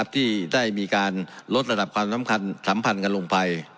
ที่ได้มีการลดระดับความสำคัญสัมพันธ์กันลงไป